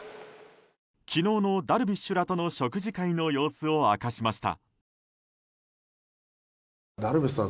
昨日のダルビッシュとの食事会の様子を明かしました。